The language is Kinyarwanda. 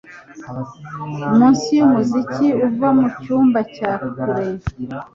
Munsi yumuziki uva mucyumba cya kure.